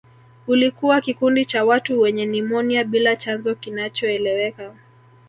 Ulikuwa kikundi cha watu wenye nimonia bila chanzo kinachoeleweka